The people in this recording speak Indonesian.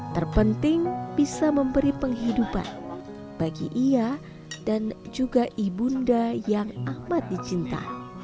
terpenting bisa memberi penghidupan bagi ia dan juga ibunda yang amat dicinta